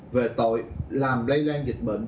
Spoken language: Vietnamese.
về tội làm lây lan dịch bệnh